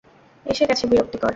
এসে গেছে, বিরক্তিকর!